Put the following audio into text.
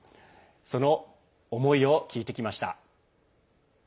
その思いを聞いてきました。